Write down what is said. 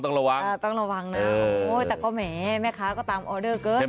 ต้องระวังนะโอ้ยแต่ก็แหมแม่ค้าก็ตามออเดอร์เกิน